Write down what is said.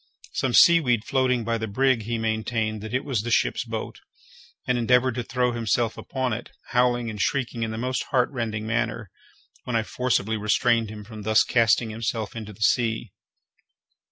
Some seaweed floating by the brig, he maintained that it was the ship's boat, and endeavoured to throw himself upon it, howling and shrieking in the most heartrending manner, when I forcibly restrained him from thus casting himself into the sea.